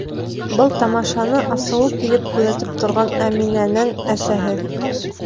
Был тамашаны асыуы килеп күҙәтеп торған Әминәнән әсәһе: